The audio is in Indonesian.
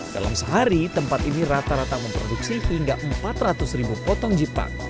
dalam sehari tempat ini rata rata memproduksi hingga empat ratus ribu potong jepang